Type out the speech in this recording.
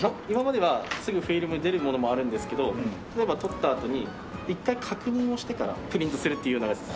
今まではすぐフィルム出るものもあるんですけど例えば撮ったあとに１回確認をしてからプリントするっていうのが。